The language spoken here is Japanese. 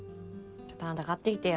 ちょっとあんた買ってきてよ。